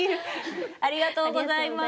ありがとうございます。